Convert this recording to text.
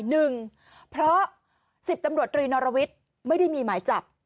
หนึ่งเพราะสิบตำรวจตรีนอรวิทย์ไม่ได้มีหมายจับ